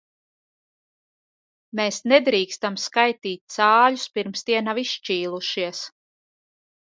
Mēs nedrīkstam skaitīt cāļus, pirms tie nav izšķīlušies.